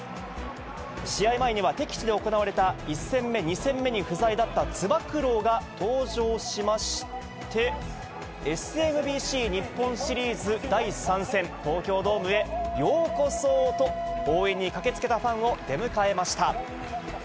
試合前には敵地で行われた１戦目、２戦目に不在だったつば九郎が登場しまして、ＳＭＢＣ日本シリーズ第３戦、東京ドームへようこそと、応援に駆けつけたファンを出迎えました。